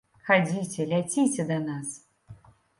Хадзіце, ляціце да нас.